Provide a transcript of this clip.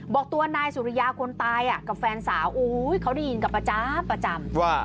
บอกตัวนายสุริยาคนตายกับแฟนสาวเขาได้ยินกับประจำประจำว่า